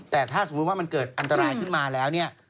แต่ถ้าสมมุติว่ามันเกิดอันตรายขึ้นมาแล้วเนี่ย